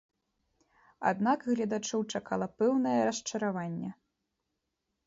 Аднак гледачоў чакала пэўнае расчараванне.